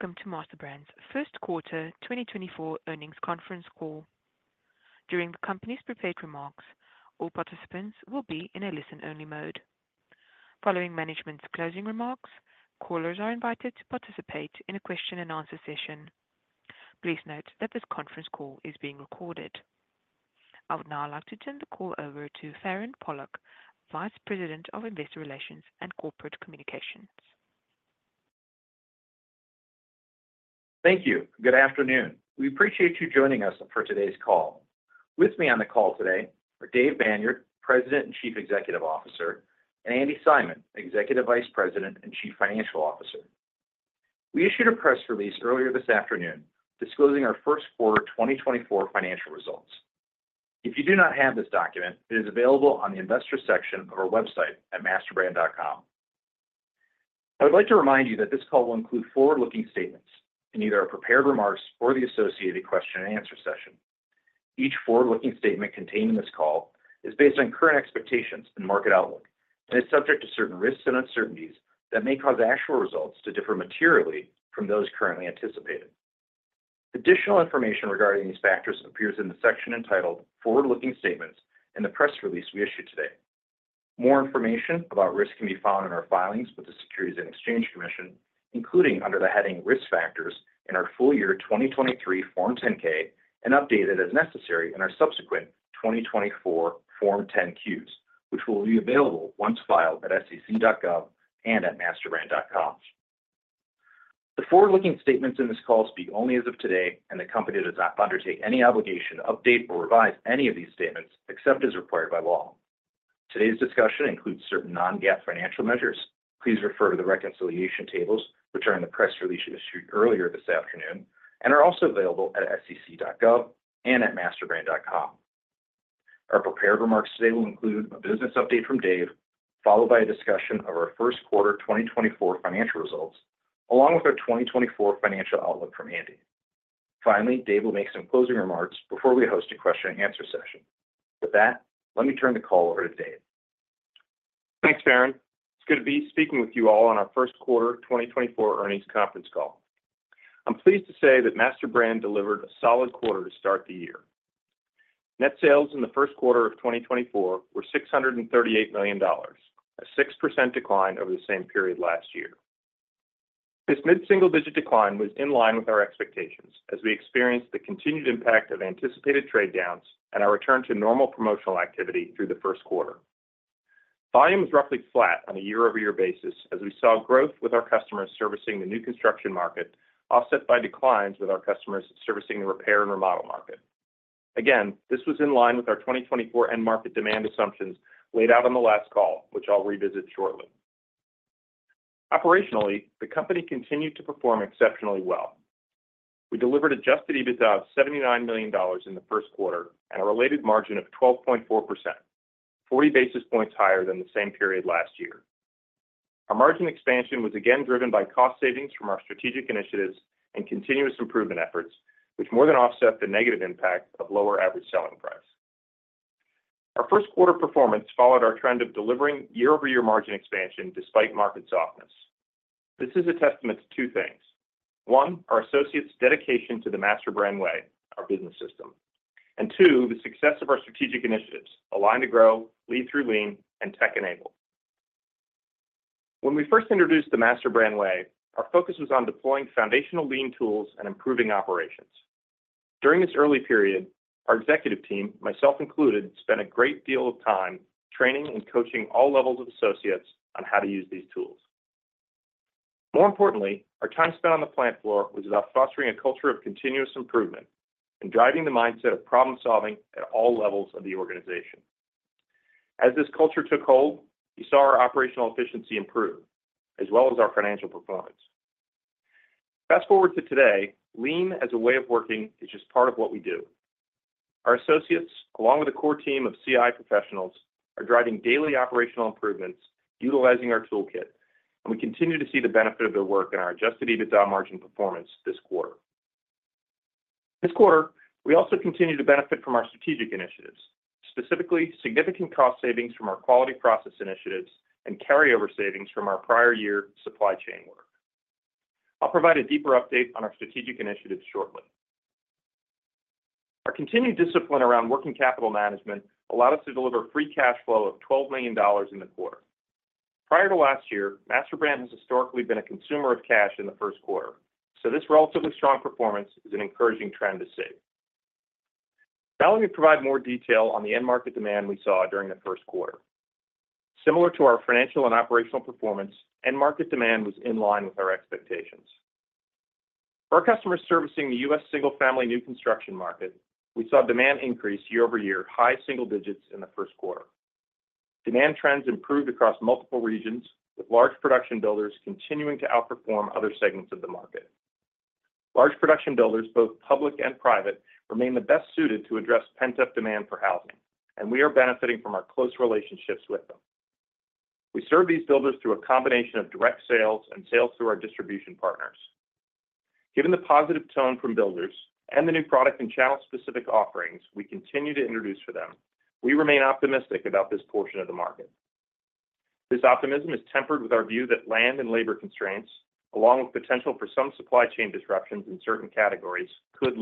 Welcome to MasterBrand's first quarter 2024 earnings conference call. During the company's prepared remarks, all participants will be in a listen-only mode. Following management's closing remarks, callers are invited to participate in a question-and-answer session. Please note that this conference call is being recorded. I would now like to turn the call over to Farand Pawlak, Vice President of Investor Relations and Corporate Communications. Thank you. Good afternoon. We appreciate you joining us for today's call. With me on the call today are Dave Banyard, President and Chief Executive Officer, and Andi Simon, Executive Vice President and Chief Financial Officer. We issued a press release earlier this afternoon disclosing our first quarter 2024 financial results. If you do not have this document, it is available on the Investor section of our website at masterbrand.com. I would like to remind you that this call will include forward-looking statements in either our prepared remarks or the associated question-and-answer session. Each forward-looking statement contained in this call is based on current expectations and market outlook, and is subject to certain risks and uncertainties that may cause actual results to differ materially from those currently anticipated. Additional information regarding these factors appears in the section entitled "Forward-Looking Statements" in the press release we issued today. More information about risk can be found in our filings with the Securities and Exchange Commission, including under the heading "Risk Factors" in our full year 2023 Form 10-K, and updated as necessary in our subsequent 2024 Form 10-Qs, which will be available once filed at sec.gov and at masterbrand.com. The forward-looking statements in this call speak only as of today, and the company does not undertake any obligation to update or revise any of these statements except as required by law. Today's discussion includes certain non-GAAP financial measures. Please refer to the reconciliation tables which are in the press release issued earlier this afternoon and are also available at sec.gov and at masterbrand.com. Our prepared remarks today will include a business update from Dave, followed by a discussion of our first quarter 2024 financial results, along with our 2024 financial outlook from Andi. Finally, Dave will make some closing remarks before we host a question-and-answer session. With that, let me turn the call over to Dave. Thanks, Farand. It's good to be speaking with you all on our first quarter 2024 earnings conference call. I'm pleased to say that MasterBrand delivered a solid quarter to start the year. Net sales in the first quarter of 2024 were $638 million, a 6% decline over the same period last year. This mid-single-digit decline was in line with our expectations as we experienced the continued impact of anticipated trade-downs and our return to normal promotional activity through the first quarter. Volume was roughly flat on a year-over-year basis as we saw growth with our customers servicing the new construction market, offset by declines with our customers servicing the repair and remodel market. Again, this was in line with our 2024 end-market demand assumptions laid out on the last call, which I'll revisit shortly. Operationally, the company continued to perform exceptionally well. We delivered adjusted EBITDA of $79 million in the first quarter and a related margin of 12.4%, 40 basis points higher than the same period last year. Our margin expansion was again driven by cost savings from our strategic initiatives and continuous improvement efforts, which more than offset the negative impact of lower average selling price. Our first quarter performance followed our trend of delivering year-over-year margin expansion despite market softness. This is a testament to two things: one, our associates' dedication to the MasterBrand Way, our business system, and two, the success of our strategic initiatives, Align to Grow, Lead Through Lean, and Tech Enabled. When we first introduced the MasterBrand Way, our focus was on deploying foundational lean tools and improving operations. During this early period, our executive team, myself included, spent a great deal of time training and coaching all levels of associates on how to use these tools. More importantly, our time spent on the plant floor was about fostering a culture of continuous improvement and driving the mindset of problem-solving at all levels of the organization. As this culture took hold, you saw our operational efficiency improve, as well as our financial performance. Fast forward to today, lean as a way of working is just part of what we do. Our associates, along with a core team of CI professionals, are driving daily operational improvements utilizing our toolkit, and we continue to see the benefit of their work in our adjusted EBITDA margin performance this quarter. This quarter, we also continue to benefit from our strategic initiatives, specifically significant cost savings from our quality process initiatives and carryover savings from our prior year supply chain work. I'll provide a deeper update on our strategic initiatives shortly. Our continued discipline around working capital management allowed us to deliver free cash flow of $12 million in the quarter. Prior to last year, MasterBrand has historically been a consumer of cash in the first quarter, so this relatively strong performance is an encouraging trend to see. Now let me provide more detail on the end-market demand we saw during the first quarter. Similar to our financial and operational performance, end-market demand was in line with our expectations. For our customers servicing the U.S. single-family new construction market, we saw demand increase year-over-year, high single digits in the first quarter. Demand trends improved across multiple regions, with large production builders continuing to outperform other segments of the market. Large production builders, both public and private, remain the best suited to address pent-up demand for housing, and we are benefiting from our close relationships with them. We serve these builders through a combination of direct sales and sales through our distribution partners. Given the positive tone from builders and the new product and channel-specific offerings we continue to introduce for them, we remain optimistic about this portion of the market. This optimism is tempered with our view that land and labor constraints, along with potential for some supply chain disruptions in certain categories, could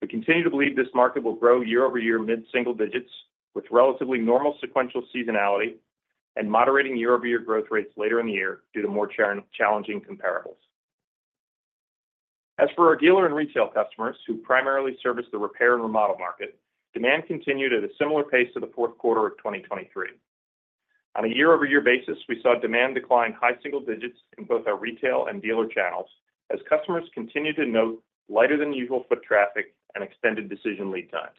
limit growth. We continue to believe this market will grow year-over-year mid-single digits with relatively normal sequential seasonality and moderating year-over-year growth rates later in the year due to more challenging comparables. As for our dealer and retail customers who primarily service the repair and remodel market, demand continued at a similar pace to the fourth quarter of 2023. On a year-over-year basis, we saw demand decline high single digits in both our retail and dealer channels as customers continue to note lighter-than-usual foot traffic and extended decision lead times.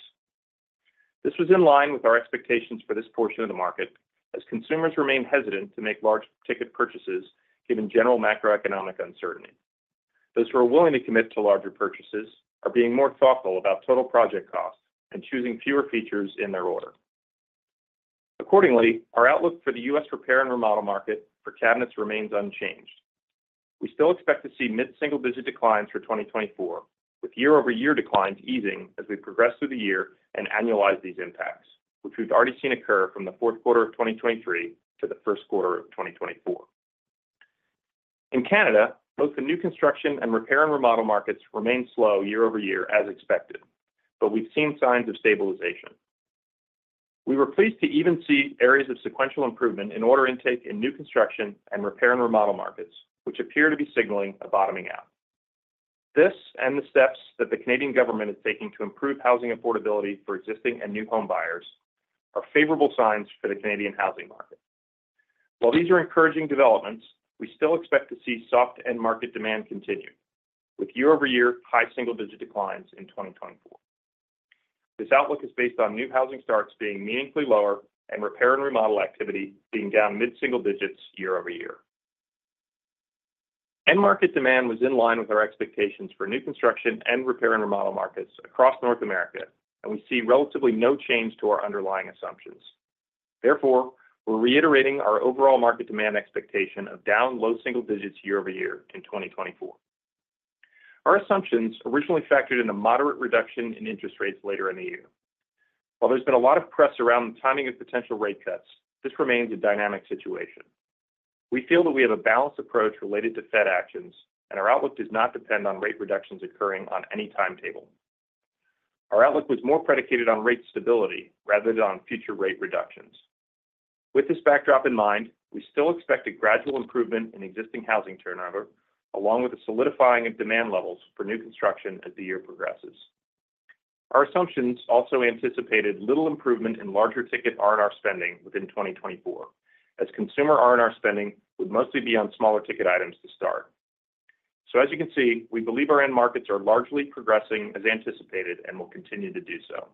This was in line with our expectations for this portion of the market as consumers remain hesitant to make large-ticket purchases given general macroeconomic uncertainty. Those who are willing to commit to larger purchases are being more thoughtful about total project cost and choosing fewer features in their order. Accordingly, our outlook for the U.S. repair and remodel market for cabinets remains unchanged. We still expect to see mid-single-digit declines for 2024, with year-over-year declines easing as we progress through the year and annualize these impacts, which we've already seen occur from the fourth quarter of 2023 to the first quarter of 2024. In Canada, both the new construction and repair and remodel markets remain slow year-over-year as expected, but we've seen signs of stabilization. We were pleased to even see areas of sequential improvement in order intake in new construction and repair and remodel markets, which appear to be signaling a bottoming out. This and the steps that the Canadian government is taking to improve housing affordability for existing and new home buyers are favorable signs for the Canadian housing market. While these are encouraging developments, we still expect to see soft end-market demand continue with year-over-year high single-digit declines in 2024. This outlook is based on new housing starts being meaningfully lower and repair and remodel activity being down mid-single digits year-over-year. End-market demand was in line with our expectations for new construction and repair and remodel markets across North America, and we see relatively no change to our underlying assumptions. Therefore, we're reiterating our overall market demand expectation of down low single digits year-over-year in 2024. Our assumptions originally factored in a moderate reduction in interest rates later in the year. While there's been a lot of press around the timing of potential rate cuts, this remains a dynamic situation. We feel that we have a balanced approach related to Fed actions, and our outlook does not depend on rate reductions occurring on any timetable. Our outlook was more predicated on rate stability rather than on future rate reductions. With this backdrop in mind, we still expect a gradual improvement in existing housing turnover, along with a solidifying of demand levels for new construction as the year progresses. Our assumptions also anticipated little improvement in larger-ticket R&R spending within 2024, as consumer R&R spending would mostly be on smaller-ticket items to start. So as you can see, we believe our end-markets are largely progressing as anticipated and will continue to do so.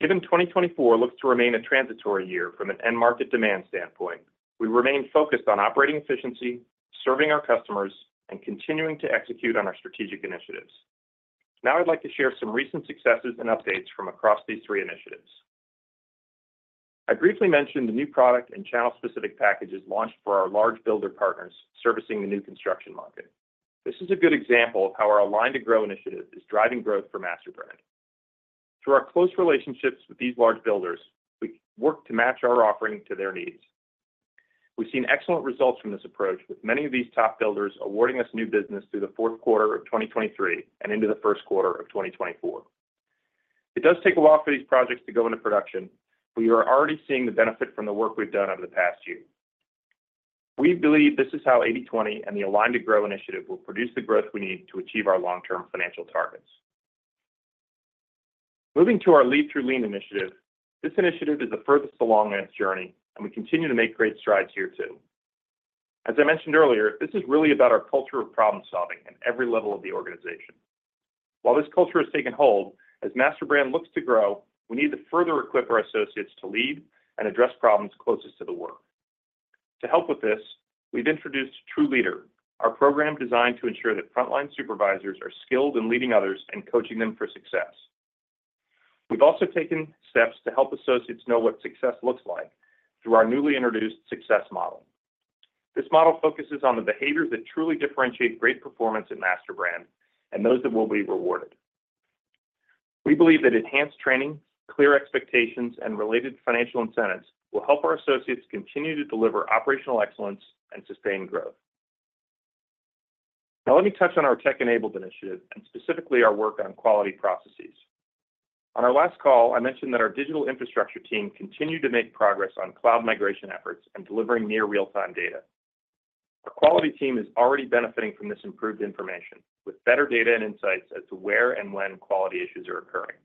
Given 2024 looks to remain a transitory year from an end-market demand standpoint, we remain focused on operating efficiency, serving our customers, and continuing to execute on our strategic initiatives. Now I'd like to share some recent successes and updates from across these three initiatives. I briefly mentioned the new product and channel-specific packages launched for our large builder partners servicing the new construction market. This is a good example of how our Align to Grow initiative is driving growth for MasterBrand. Through our close relationships with these large builders, we work to match our offering to their needs. We've seen excellent results from this approach, with many of these top builders awarding us new business through the fourth quarter of 2023 and into the first quarter of 2024. It does take a while for these projects to go into production, but you are already seeing the benefit from the work we've done over the past year. We believe this is how 80/20 and the Align to Grow initiative will produce the growth we need to achieve our long-term financial targets. Moving to our Lead Through Lean initiative, this initiative is the furthest along in its journey, and we continue to make great strides here too. As I mentioned earlier, this is really about our culture of problem-solving at every level of the organization. While this culture has taken hold, as MasterBrand looks to grow, we need to further equip our associates to lead and address problems closest to the work. To help with this, we've introduced TrueLeader, our program designed to ensure that frontline supervisors are skilled in leading others and coaching them for success. We've also taken steps to help associates know what success looks like through our newly introduced Success Model. This model focuses on the behaviors that truly differentiate great performance at MasterBrand and those that will be rewarded. We believe that enhanced training, clear expectations, and related financial incentives will help our associates continue to deliver operational excellence and sustain growth. Now let me touch on our Tech Enabled initiative and specifically our work on quality processes. On our last call, I mentioned that our digital infrastructure team continued to make progress on cloud migration efforts and delivering near-real-time data. Our quality team is already benefiting from this improved information, with better data and insights as to where and when quality issues are occurring.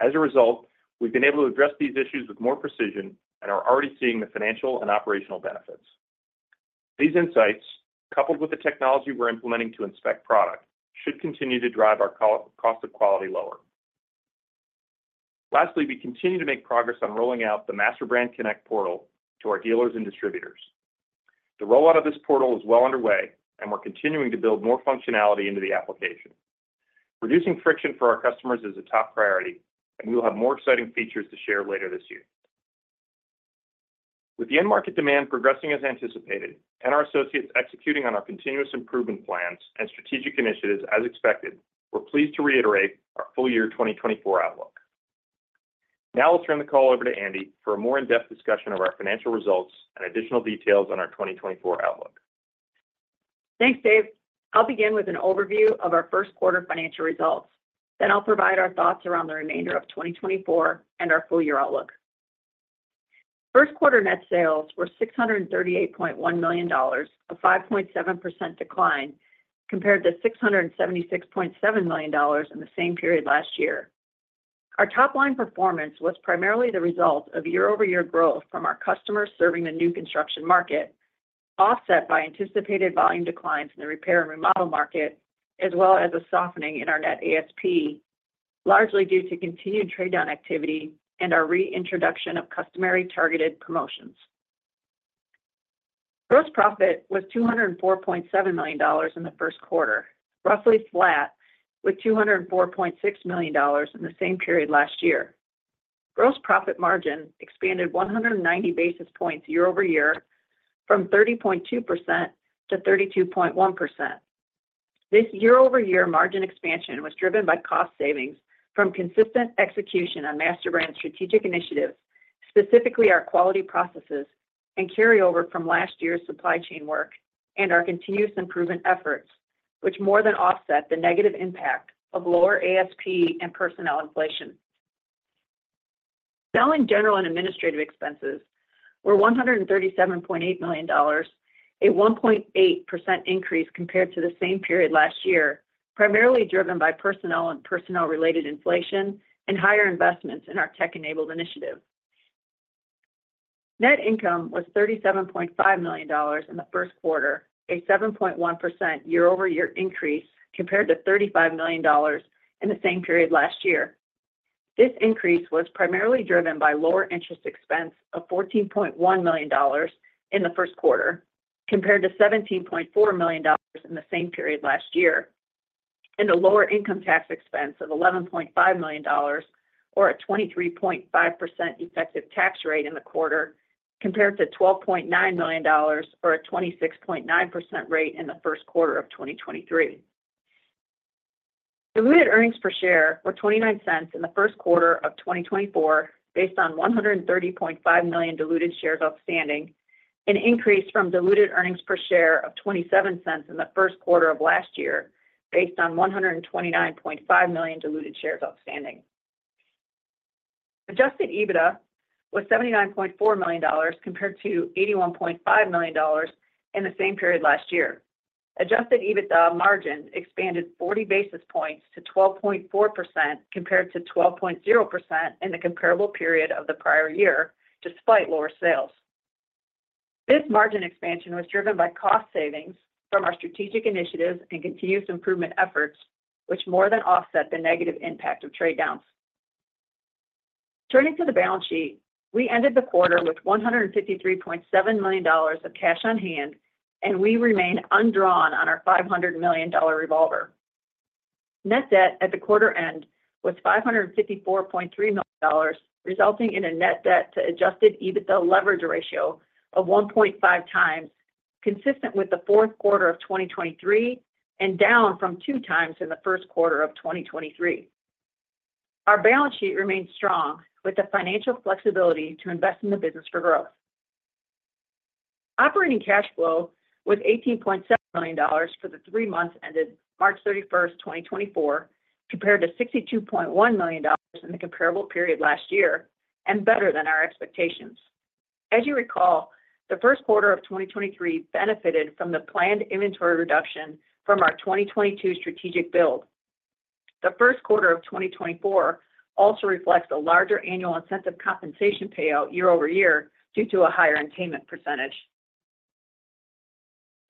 As a result, we've been able to address these issues with more precision and are already seeing the financial and operational benefits. These insights, coupled with the technology we're implementing to inspect product, should continue to drive our cost of quality lower. Lastly, we continue to make progress on rolling out the MasterBrand Connect portal to our dealers and distributors. The rollout of this portal is well underway, and we're continuing to build more functionality into the application. Reducing friction for our customers is a top priority, and we will have more exciting features to share later this year. With the end-market demand progressing as anticipated and our associates executing on our continuous improvement plans and strategic initiatives as expected, we're pleased to reiterate our full-year 2024 outlook. Now I'll turn the call over to Andi for a more in-depth discussion of our financial results and additional details on our 2024 outlook. Thanks, Dave. I'll begin with an overview of our first quarter financial results. Then I'll provide our thoughts around the remainder of 2024 and our full-year outlook. First quarter net sales were $638.1 million, a 5.7% decline compared to $676.7 million in the same period last year. Our top-line performance was primarily the result of year-over-year growth from our customers serving the new construction market, offset by anticipated volume declines in the repair and remodel market, as well as a softening in our net ASP, largely due to continued trade-down activity and our reintroduction of customary targeted promotions. Gross profit was $204.7 million in the first quarter, roughly flat with $204.6 million in the same period last year. Gross profit margin expanded 190 basis points year-over-year from 30.2% to 32.1%. This year-over-year margin expansion was driven by cost savings from consistent execution on MasterBrand's strategic initiatives, specifically our quality processes and carryover from last year's supply chain work and our continuous improvement efforts, which more than offset the negative impact of lower ASP and personnel inflation. Now in general and administrative expenses, we're $137.8 million, a 1.8% increase compared to the same period last year, primarily driven by personnel and personnel-related inflation and higher investments in our Tech Enabled initiative. Net income was $37.5 million in the first quarter, a 7.1% year-over-year increase compared to $35 million in the same period last year. This increase was primarily driven by lower interest expense of $14.1 million in the first quarter compared to $17.4 million in the same period last year, and a lower income tax expense of $11.5 million or a 23.5% effective tax rate in the quarter compared to $12.9 million or a 26.9% rate in the first quarter of 2023. Diluted earnings per share were $0.29 in the first quarter of 2024 based on 130.5 million diluted shares outstanding, an increase from diluted earnings per share of $0.27 in the first quarter of last year based on 129.5 million diluted shares outstanding. Adjusted EBITDA was $79.4 million compared to $81.5 million in the same period last year. Adjusted EBITDA margin expanded 40 basis points to 12.4% compared to 12.0% in the comparable period of the prior year despite lower sales. This margin expansion was driven by cost savings from our strategic initiatives and continuous improvement efforts, which more than offset the negative impact of trade-downs. Turning to the balance sheet, we ended the quarter with $153.7 million of cash on hand, and we remain undrawn on our $500 million revolver. Net debt at the quarter end was $554.3 million, resulting in a net debt to adjusted EBITDA leverage ratio of 1.5x, consistent with the fourth quarter of 2023 and down from 2x in the first quarter of 2023. Our balance sheet remains strong with the financial flexibility to invest in the business for growth. Operating cash flow was $18.7 million for the three months ended March 31st, 2024, compared to $62.1 million in the comparable period last year and better than our expectations. As you recall, the first quarter of 2023 benefited from the planned inventory reduction from our 2022 strategic build. The first quarter of 2024 also reflects a larger annual incentive compensation payout year-over-year due to a higher attainment percentage.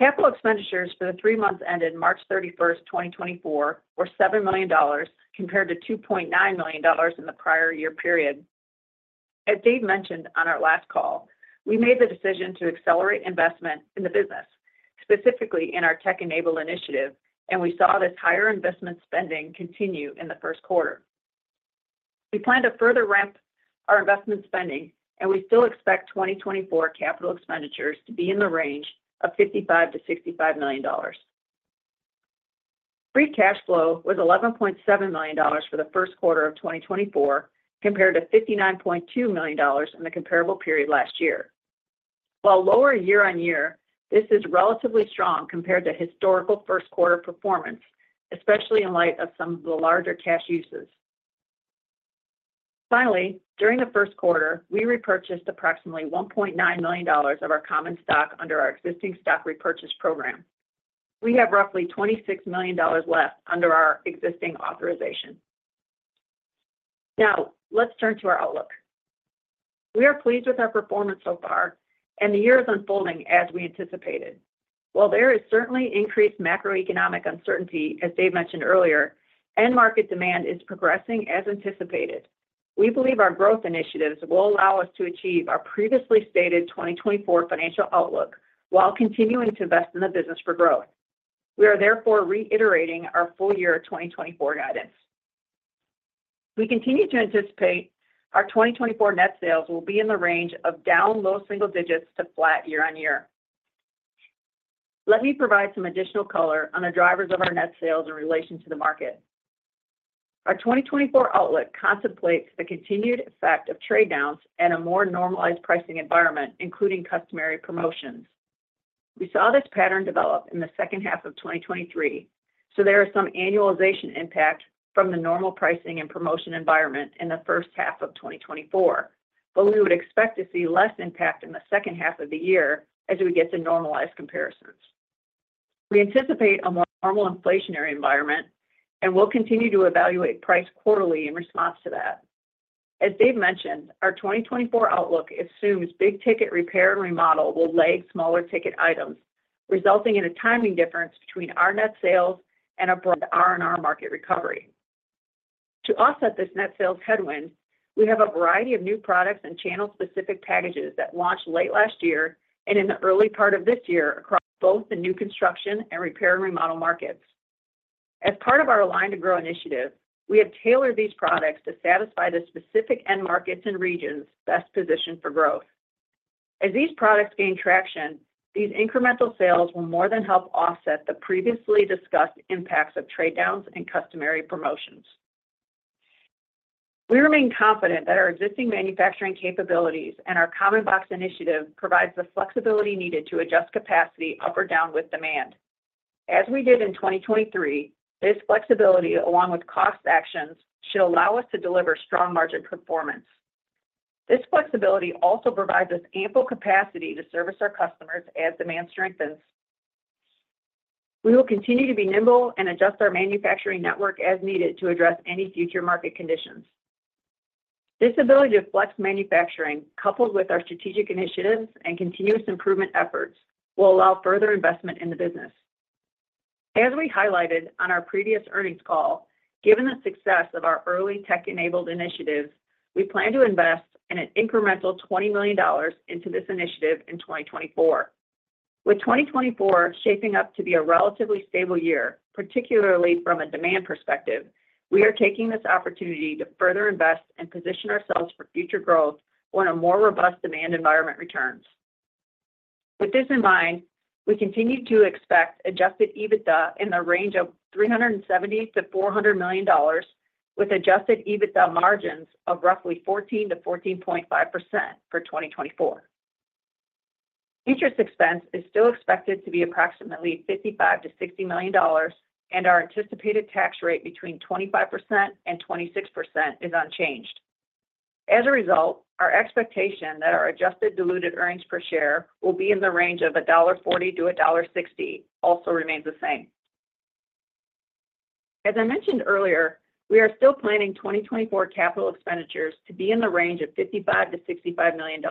Capital expenditures for the three months ended March 31st, 2024, were $7 million compared to $2.9 million in the prior year period. As Dave mentioned on our last call, we made the decision to accelerate investment in the business, specifically in our Tech Enabled initiative, and we saw this higher investment spending continue in the first quarter. We plan to further ramp our investment spending, and we still expect 2024 capital expenditures to be in the range of $55 million-$65 million. Free cash flow was $11.7 million for the first quarter of 2024 compared to $59.2 million in the comparable period last year. While lower year-on-year, this is relatively strong compared to historical first-quarter performance, especially in light of some of the larger cash uses. Finally, during the first quarter, we repurchased approximately $1.9 million of our common stock under our existing stock repurchase program. We have roughly $26 million left under our existing authorization. Now let's turn to our outlook. We are pleased with our performance so far, and the year is unfolding as we anticipated. While there is certainly increased macroeconomic uncertainty, as Dave mentioned earlier, end-market demand is progressing as anticipated. We believe our growth initiatives will allow us to achieve our previously stated 2024 financial outlook while continuing to invest in the business for growth. We are therefore reiterating our full-year 2024 guidance. We continue to anticipate our 2024 net sales will be in the range of down low single digits to flat year-on-year. Let me provide some additional color on the drivers of our net sales in relation to the market. Our 2024 outlook contemplates the continued effect of trade-downs and a more normalized pricing environment, including customary promotions. We saw this pattern develop in the second half of 2023, so there is some annualization impact from the normal pricing and promotion environment in the first half of 2024, but we would expect to see less impact in the second half of the year as we get to normalized comparisons. We anticipate a more normal inflationary environment, and we'll continue to evaluate price quarterly in response to that. As Dave mentioned, our 2024 outlook assumes big-ticket repair and remodel will lag smaller-ticket items, resulting in a timing difference between our net sales and a broad R&R market recovery. To offset this net sales headwind, we have a variety of new products and channel-specific packages that launched late last year and in the early part of this year across both the new construction and repair and remodel markets. As part of our Align to Grow initiative, we have tailored these products to satisfy the specific end markets and regions best positioned for growth. As these products gain traction, these incremental sales will more than help offset the previously discussed impacts of trade-downs and customary promotions. We remain confident that our existing manufacturing capabilities and our Common Box initiative provide the flexibility needed to adjust capacity up or down with demand. As we did in 2023, this flexibility, along with cost actions, should allow us to deliver strong margin performance. This flexibility also provides us ample capacity to service our customers as demand strengthens. We will continue to be nimble and adjust our manufacturing network as needed to address any future market conditions. This ability to flex manufacturing, coupled with our strategic initiatives and continuous improvement efforts, will allow further investment in the business. As we highlighted on our previous earnings call, given the success of our early Tech Enabled initiatives, we plan to invest an incremental $20 million into this initiative in 2024. With 2024 shaping up to be a relatively stable year, particularly from a demand perspective, we are taking this opportunity to further invest and position ourselves for future growth when a more robust demand environment returns. With this in mind, we continue to expect adjusted EBITDA in the range of $370 million-$400 million, with adjusted EBITDA margins of roughly 14%-14.5% for 2024. Interest expense is still expected to be approximately $55 million-$60 million, and our anticipated tax rate between 25%-26% is unchanged. As a result, our expectation that our adjusted diluted earnings per share will be in the range of $1.40-$1.60 also remains the same. As I mentioned earlier, we are still planning 2024 capital expenditures to be in the range of $55 million-$65 million.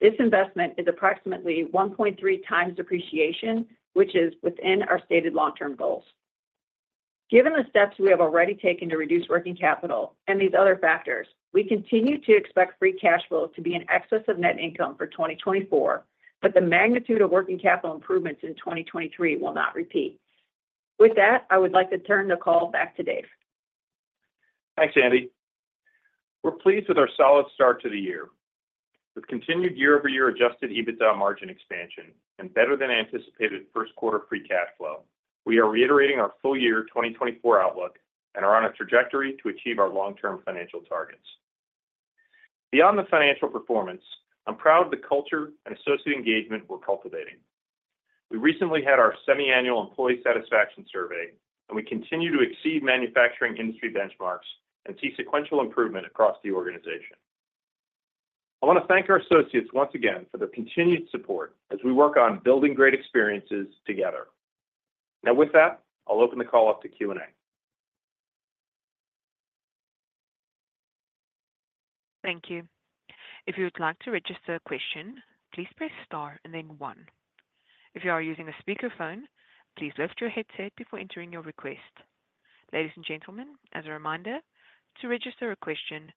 This investment is approximately 1.3x depreciation, which is within our stated long-term goals. Given the steps we have already taken to reduce working capital and these other factors, we continue to expect free cash flow to be an excess of net income for 2024, but the magnitude of working capital improvements in 2023 will not repeat. With that, I would like to turn the call back to Dave. Thanks, Andi. We're pleased with our solid start to the year. With continued year-over-year adjusted EBITDA margin expansion and better than anticipated first-quarter free cash flow, we are reiterating our full-year 2024 outlook and are on a trajectory to achieve our long-term financial targets. Beyond the financial performance, I'm proud of the culture and associate engagement we're cultivating. We recently had our semiannual employee satisfaction survey, and we continue to exceed manufacturing industry benchmarks and see sequential improvement across the organization. I want to thank our associates once again for their continued support as we work on building great experiences together. Now, with that, I'll open the call up to Q&A. Thank you. If you would like to register a question, please press star and then one. If you are using a speakerphone, please lift your headset before entering your request. Ladies and gentlemen, as a reminder, to register a question,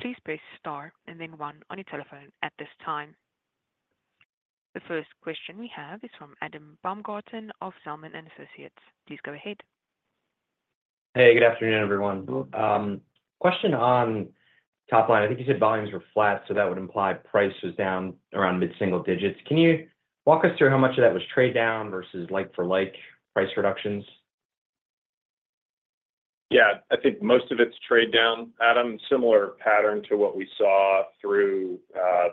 please press star and then one on your telephone at this time. The first question we have is from Adam Baumgarten of Zelman & Associates. Please go ahead. Hey, good afternoon, everyone. Question on top line. I think you said volumes were flat, so that would imply price was down around mid-single digits. Can you walk us through how much of that was trade-down versus like-for-like price reductions? Yeah, I think most of it's trade-down, Adam, similar pattern to what we saw through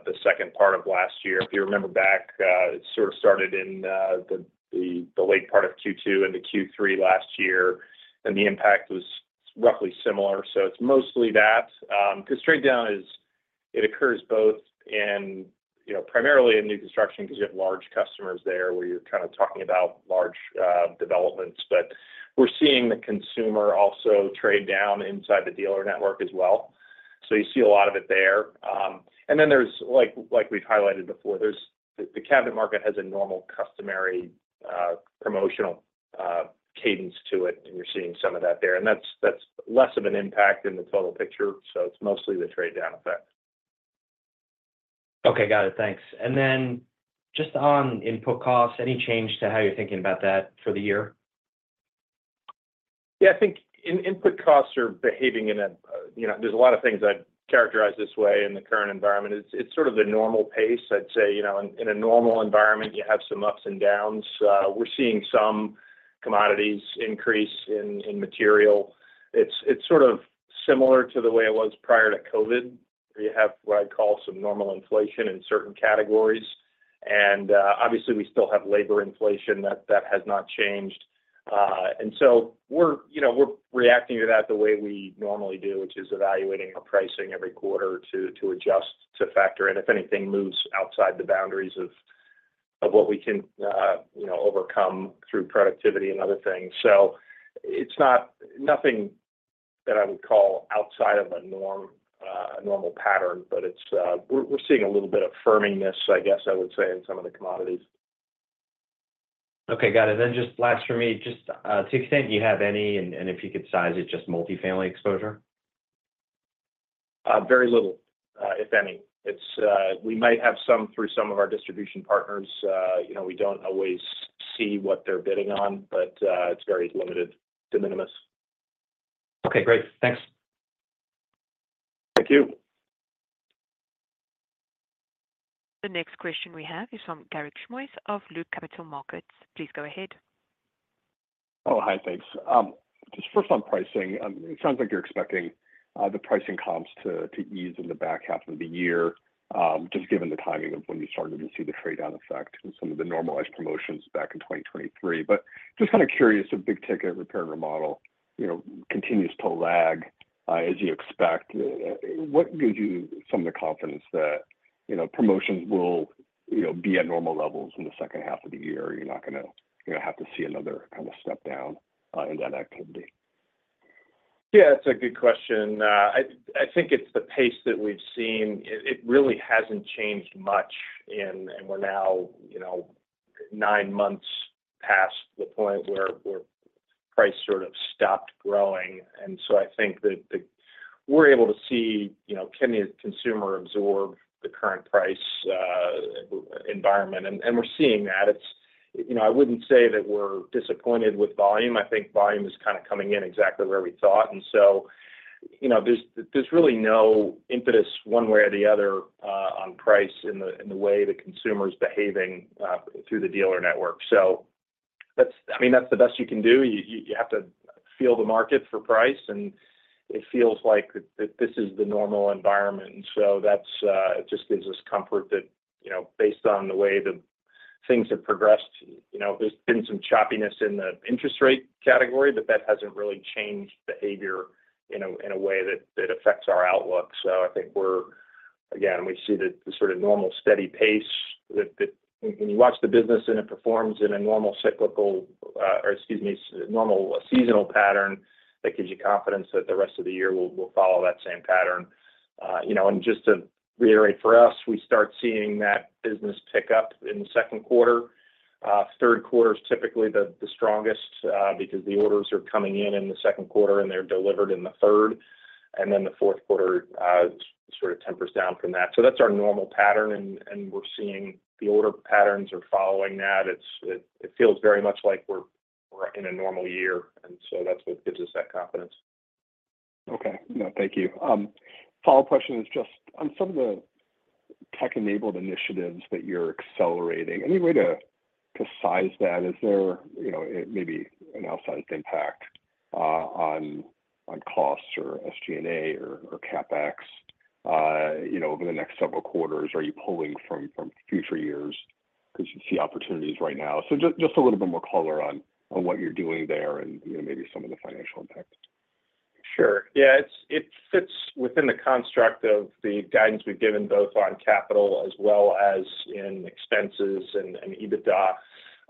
the second part of last year. If you remember back, it sort of started in the late part of Q2 and the Q3 last year, and the impact was roughly similar. So it's mostly that because trade-down, it occurs both primarily in new construction because you have large customers there where you're kind of talking about large developments. But we're seeing the consumer also trade down inside the dealer network as well. So you see a lot of it there. And then there's, like we've highlighted before, the cabinet market has a normal customary promotional cadence to it, and you're seeing some of that there. And that's less of an impact in the total picture. So it's mostly the trade-down effect. Okay, got it. Thanks. And then just on input costs, any change to how you're thinking about that for the year? Yeah, I think input costs are behaving in a way. There's a lot of things I'd characterize this way in the current environment. It's sort of the normal pace, I'd say. In a normal environment, you have some ups and downs. We're seeing some commodities increase in material. It's sort of similar to the way it was prior to COVID, where you have what I call some normal inflation in certain categories. And obviously, we still have labor inflation. That has not changed. And so we're reacting to that the way we normally do, which is evaluating our pricing every quarter to adjust, to factor in if anything moves outside the boundaries of what we can overcome through productivity and other things. It's nothing that I would call outside of a normal pattern, but we're seeing a little bit of firmingness, I guess I would say, in some of the commodities. Okay, got it. Then just last for me, just to the extent you have any, and if you could size it, just multifamily exposure? Very little, if any. We might have some through some of our distribution partners. We don't always see what they're bidding on, but it's very limited, de minimis. Okay, great. Thanks. Thank you. The next question we have is from Garik Shmois of Loop Capital Markets. Please go ahead. Oh, hi, thanks. Just first on pricing, it sounds like you're expecting the pricing comps to ease in the back half of the year, just given the timing of when you started to see the trade-down effect and some of the normalized promotions back in 2023. But just kind of curious, a big-ticket repair and remodel continues to lag, as you expect. What gives you some of the confidence that promotions will be at normal levels in the second half of the year? You're not going to have to see another kind of step down in that activity? Yeah, that's a good question. I think it's the pace that we've seen. It really hasn't changed much, and we're now nine months past the point where price sort of stopped growing. And so I think that we're able to see, can the consumer absorb the current price environment? And we're seeing that. I wouldn't say that we're disappointed with volume. I think volume is kind of coming in exactly where we thought. And so there's really no impetus one way or the other on price in the way the consumer is behaving through the dealer network. So I mean, that's the best you can do. You have to feel the market for price, and it feels like this is the normal environment. And so it just gives us comfort that based on the way the things have progressed, there's been some choppiness in the interest rate category, but that hasn't really changed behavior in a way that affects our outlook. So I think we're again, we see the sort of normal steady pace. When you watch the business and it performs in a normal cyclical or excuse me, normal seasonal pattern, that gives you confidence that the rest of the year will follow that same pattern. And just to reiterate, for us, we start seeing that business pick up in the second quarter. Third quarter is typically the strongest because the orders are coming in in the second quarter, and they're delivered in the third. And then the fourth quarter sort of tempers down from that. So that's our normal pattern, and we're seeing the order patterns are following that. It feels very much like we're in a normal year, and so that's what gives us that confidence. Okay. No, thank you. Follow-up question is just on some of the Tech Enabled initiatives that you're accelerating, any way to size that? Is there maybe an outsized impact on costs or SG&A or CapEx over the next several quarters? Are you pulling from future years because you see opportunities right now? So just a little bit more color on what you're doing there and maybe some of the financial impact. Sure. Yeah, it fits within the construct of the guidance we've given both on capital as well as in expenses and EBITDA.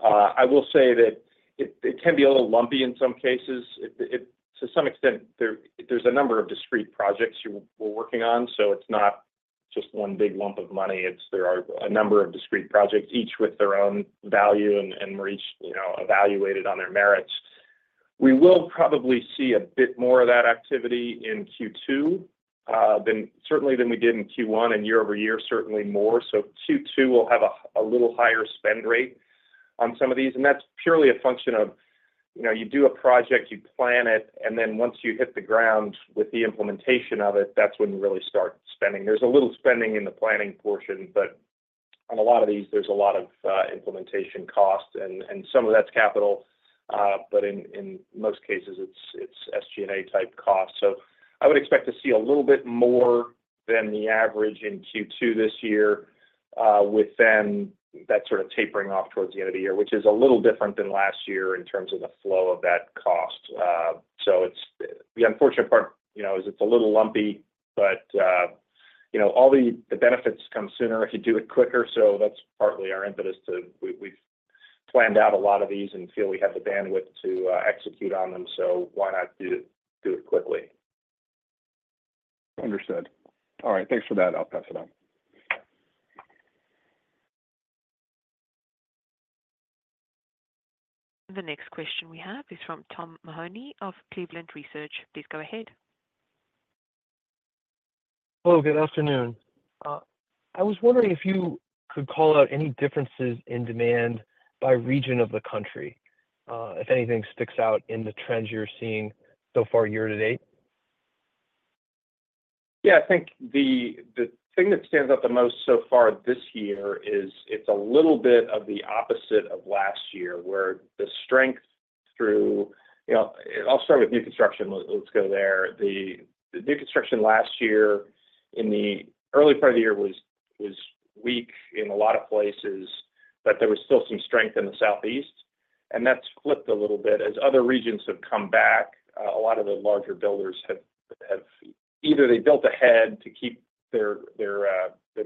I will say that it can be a little lumpy in some cases. To some extent, there's a number of discrete projects we're working on. So it's not just one big lump of money. There are a number of discrete projects, each with their own value, and we're each evaluated on their merits. We will probably see a bit more of that activity in Q2, certainly than we did in Q1, and year-over-year, certainly more. So Q2 will have a little higher spend rate on some of these. And that's purely a function of you do a project, you plan it, and then once you hit the ground with the implementation of it, that's when you really start spending. There's a little spending in the planning portion, but on a lot of these, there's a lot of implementation cost, and some of that's capital. But in most cases, it's SG&A-type costs. So I would expect to see a little bit more than the average in Q2 this year, with then that sort of tapering off towards the end of the year, which is a little different than last year in terms of the flow of that cost. So the unfortunate part is it's a little lumpy, but all the benefits come sooner if you do it quicker. So that's partly our impetus to we've planned out a lot of these and feel we have the bandwidth to execute on them. So why not do it quickly? Understood. All right, thanks for that. I'll pass it on. The next question we have is from Tom Mahoney of Cleveland Research. Please go ahead. Hello, good afternoon. I was wondering if you could call out any differences in demand by region of the country, if anything sticks out in the trends you're seeing so far year to date? Yeah, I think the thing that stands out the most so far this year is it's a little bit of the opposite of last year, where the strength through. I'll start with new construction. Let's go there. The new construction last year in the early part of the year was weak in a lot of places, but there was still some strength in the Southeast. And that's flipped a little bit. As other regions have come back, a lot of the larger builders have either they built ahead to keep their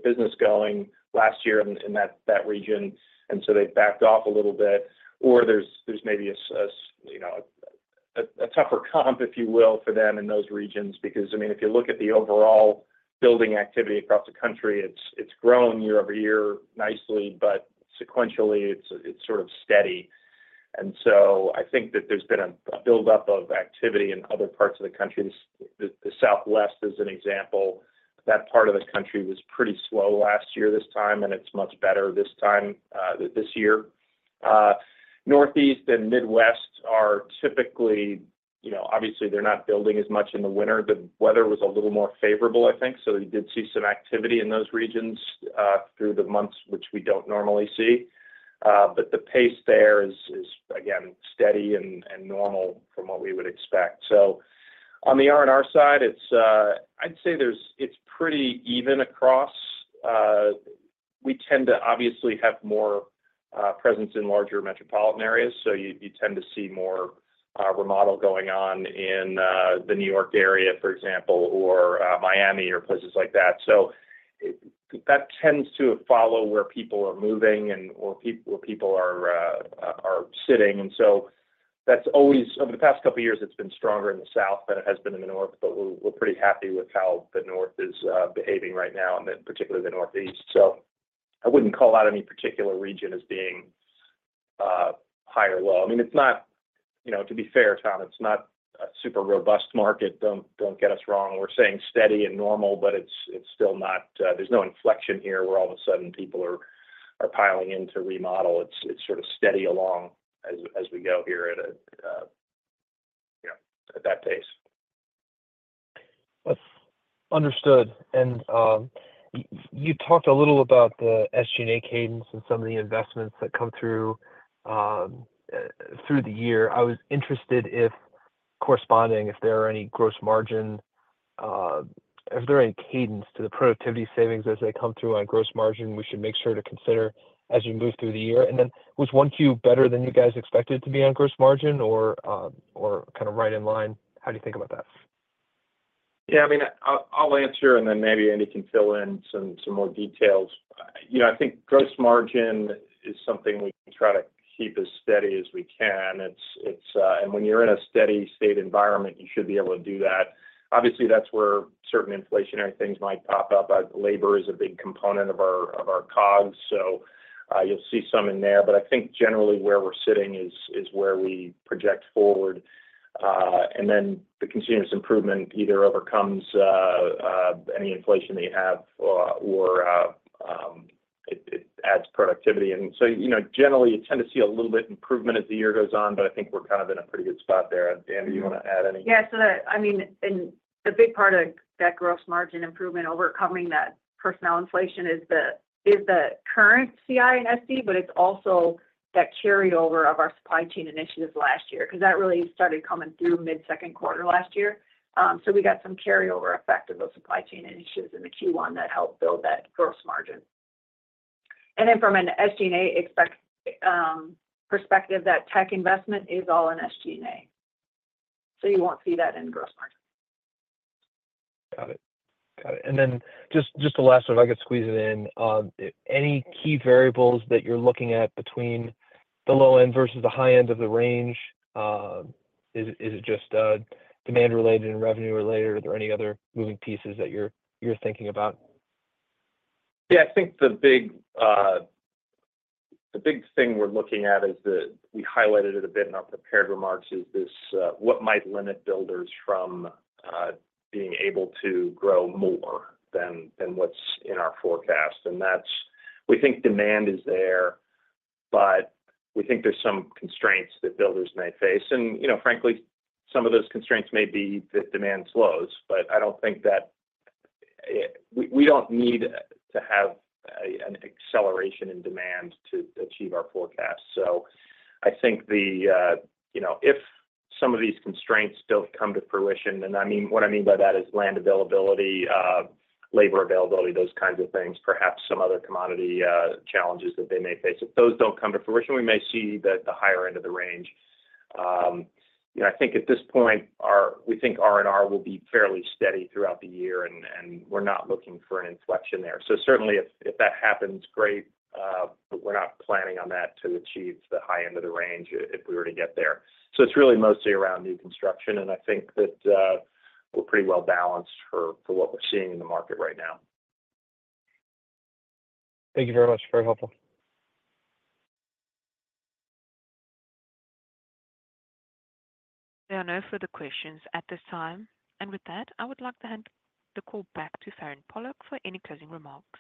business going last year in that region, and so they've backed off a little bit, or there's maybe a tougher comp, if you will, for them in those regions. Because, I mean, if you look at the overall building activity across the country, it's grown year-over-year nicely, but sequentially, it's sort of steady. And so I think that there's been a buildup of activity in other parts of the country. The Southwest is an example. That part of the country was pretty slow last year this time, and it's much better this year. Northeast and Midwest are typically obviously, they're not building as much in the winter. The weather was a little more favorable, I think. So you did see some activity in those regions through the months, which we don't normally see. But the pace there is, again, steady and normal from what we would expect. So on the R&R side, I'd say it's pretty even across. We tend to obviously have more presence in larger metropolitan areas. So you tend to see more remodel going on in the New York area, for example, or Miami or places like that. So that tends to follow where people are moving or where people are sitting. And so over the past couple of years, it's been stronger in the South than it has been in the North. But we're pretty happy with how the North is behaving right now, and particularly the Northeast. So I wouldn't call out any particular region as being high or low. I mean, to be fair, Tom, it's not a super robust market. Don't get us wrong. We're saying steady and normal, but it's still not. There's no inflection here where all of a sudden people are piling in to remodel. It's sort of steady along as we go here at that pace. Understood. You talked a little about the SG&A cadence and some of the investments that come through the year. I was interested, correspondingly, if there are any gross margin cadence to the productivity savings as they come through on gross margin; we should make sure to consider as we move through the year. Then, was 1Q better than you guys expected to be on gross margin or kind of right in line? How do you think about that? Yeah, I mean, I'll answer, and then maybe Andi can fill in some more details. I think gross margin is something we try to keep as steady as we can. And when you're in a steady state environment, you should be able to do that. Obviously, that's where certain inflationary things might pop up. Labor is a big component of our COGS. So you'll see some in there. But I think generally, where we're sitting is where we project forward. And then the continuous improvement either overcomes any inflation that you have or it adds productivity. And so generally, you tend to see a little bit improvement as the year goes on, but I think we're kind of in a pretty good spot there. Andi, you want to add any? Yeah. So I mean, a big part of that gross margin improvement, overcoming that personnel inflation, is the current CI and SD, but it's also that carryover of our supply chain initiatives last year because that really started coming through mid-second quarter last year. So we got some carryover effect of those supply chain initiatives in the Q1 that helped build that gross margin. And then from an SG&A perspective, that tech investment is all in SG&A. So you won't see that in gross margin. Got it. Got it. And then just the last one, if I could squeeze it in, any key variables that you're looking at between the low end versus the high end of the range? Is it just demand-related and revenue-related, or are there any other moving pieces that you're thinking about? Yeah, I think the big thing we're looking at is that we highlighted it a bit in our prepared remarks, is what might limit builders from being able to grow more than what's in our forecast. And we think demand is there, but we think there's some constraints that builders may face. And frankly, some of those constraints may be that demand slows, but I don't think that we don't need to have an acceleration in demand to achieve our forecast. So I think if some of these constraints don't come to fruition and what I mean by that is land availability, labor availability, those kinds of things, perhaps some other commodity challenges that they may face. If those don't come to fruition, we may see the higher end of the range. I think at this point, we think R&R will be fairly steady throughout the year, and we're not looking for an inflection there. Certainly, if that happens, great, but we're not planning on that to achieve the high end of the range if we were to get there. It's really mostly around new construction. I think that we're pretty well balanced for what we're seeing in the market right now. Thank you very much. Very helpful. There are no further questions at this time. With that, I would like to hand the call back to Farand Pawlak for any closing remarks.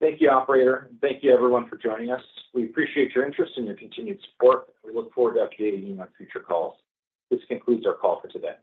Thank you, operator. Thank you, everyone, for joining us. We appreciate your interest and your continued support. We look forward to updating you on future calls. This concludes our call for today.